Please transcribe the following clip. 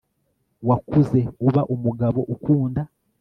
wakuze uba umugabo ukunda